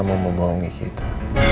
mau membohongi kita